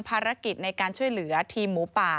ภารกิจในการช่วยเหลือทีมหมูป่า